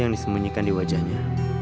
yang disemunyikan di wajahnya